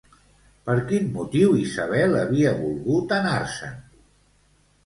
Per quin motiu Isabel havia volgut anar-se'n?